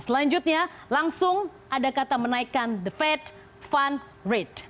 selanjutnya langsung ada kata menaikkan the fed fund rate